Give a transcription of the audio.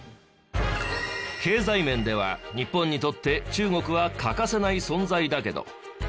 経済面では日本にとって中国は欠かせない存在だけど。